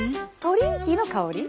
トリンキーの香り？